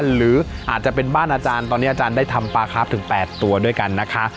หรืออาจจะเป็นบ้านอาจารย์ตอนนี้อาจารย์ได้ทำปลาคาร์ฟถึง๘ตัวด้วยกันนะคะ